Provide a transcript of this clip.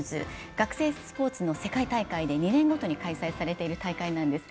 学生スポーツの世界大会で２年ごとに開催されている大会なんです。